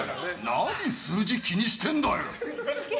何数字気にしてんだよ！